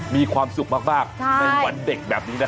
มีความสุขมาก